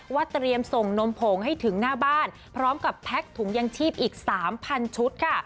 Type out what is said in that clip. เตรียมส่งนมผงให้ถึงหน้าบ้านพร้อมกับแพ็คถุงยังชีพอีก๓๐๐ชุดค่ะ